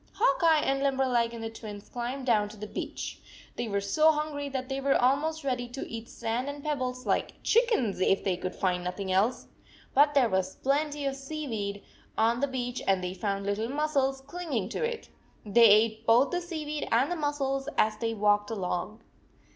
Hawk Eye and Limberleg and the Twins climbed down to the beach. They were so hungry that they were almost ready to eat sand and pebbles, like chickens, if they could find nothing else. But there was plenty of seaweed on the in beach and they found little mussels clinging to it. They ate both the seaweed and the mussels, as they walked along.